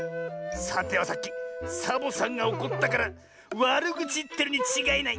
さてはさっきサボさんがおこったからわるぐちいってるにちがいない！